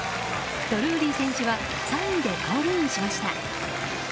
ドルーリー選手は３位でゴールインしました。